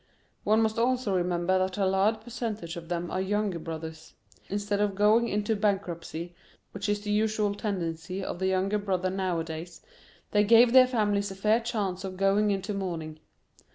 "One must also remember that a large percentage of them are younger brothers; instead of going into bankruptcy, which is the usual tendency of the younger brother nowadays, they gave their families a fair chance of going into mourning.